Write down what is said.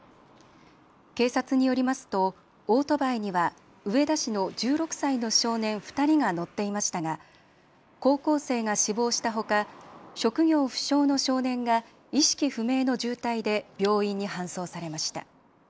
警察によりますとオートバイには上田市の１６歳の少年２人が乗っていましたが、高校生が死亡したほか、職業不詳の少年が意識不明の重体で病院に搬送されました。